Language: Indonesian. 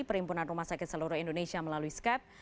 perhimpunan rumah sakit seluruh indonesia melalui skep